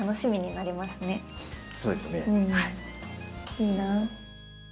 いいなあ。